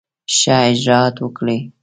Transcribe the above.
ښه اجرآت وکړي.